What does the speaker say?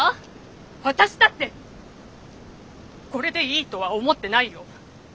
私だってこれでいいとは思ってないよ。